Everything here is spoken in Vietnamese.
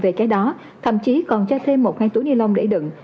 về cái đó thậm chí còn cho thêm một hai túi ni lông để đựng